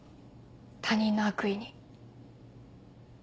他人の悪意に。